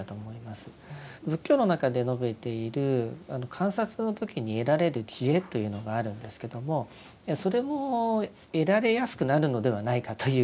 仏教の中で述べている観察の時に得られる智慧というのがあるんですけどもそれも得られやすくなるのではないかという気がいたします。